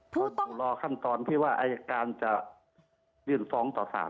ต้องรอขั้นตอนอัยการว่าจะยืนซ้องต่อสาร